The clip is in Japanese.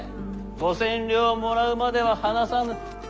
５千両もらうまでは話さぬ。